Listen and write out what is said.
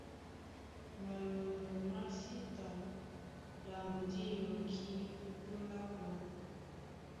Malɔndɔ má sí ta lambo dí yɔkí ó póndá a kwaŋ.